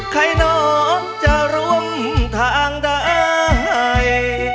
ใครน้องจะร่วมทางได้